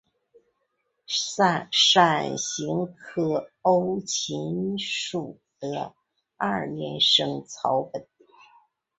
伞形科欧芹属的二年生草本。